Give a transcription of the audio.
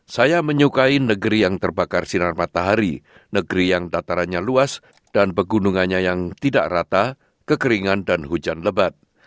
saya menyukai negeri yang terbakar sinar matahari negeri yang datarannya luas dan pegunungannya yang tidak rata kekeringan dan hujan lebat